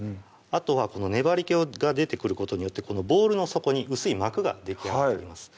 あとはこの粘りけが出てくることによってこのボウルの底に薄い膜ができあがってきます